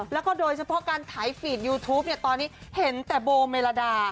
แล้วก็โดยเฉพาะการถ่ายฟีดยูทูปตอนนี้เห็นแต่โบเมลาดา